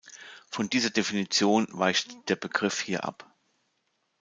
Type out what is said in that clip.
Von dieser Definition weicht der Begriff hier ab.